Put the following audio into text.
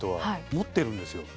持ってるんですよ。